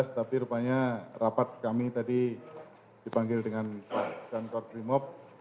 tapi rupanya rapat kami tadi dipanggil dengan pak jankot brimob